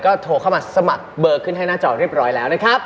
ก็โทรเข้ามาสมัครเบอร์ขึ้นให้หน้าจอเรียบร้อยแล้วนะครับ